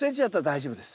大丈夫です。